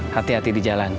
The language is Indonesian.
hati hati di jalan